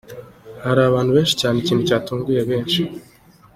Hari abantu benshi cyane ikintu cyatunguye benshi.